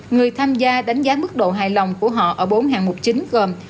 người tham gia đánh giá mức độ hài lòng của họ ở bốn hạng mục chính gồm